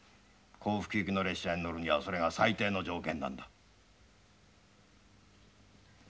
幸福行きの列車に乗るにはそれが最低の条件なんだ。